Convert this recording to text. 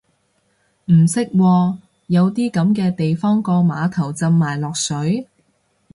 唔識喎，有啲噉嘅地方個碼頭浸埋落水？